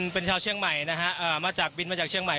เป็นชาวเชียงใหม่นะฮะมาจากบินมาจากเชียงใหม่